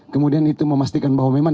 kemudian itu memastikan bahwa memang